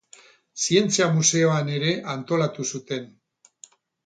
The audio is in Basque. Zientzia Museoan ere antolatu zuten.